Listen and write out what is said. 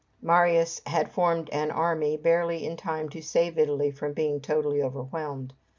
Marius had formed an army barely in time to save Italy from being totally overwhelmed.